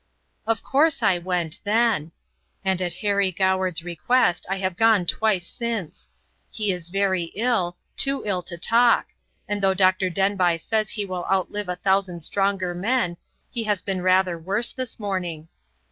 Of course I went, then. And at Harry Goward's request I have gone twice since. He is very ill, too ill to talk, and though Dr. Denbigh says he will outlive a thousand stronger men, he has been rather worse this morning.